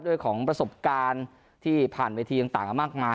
เรื่องของประสบการณ์ที่ผ่านเวทีต่างมากมาย